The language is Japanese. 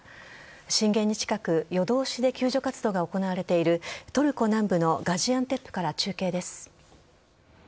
震源に近く夜通しで救助活動が行われているトルコ南部のガジアンテップから中継です。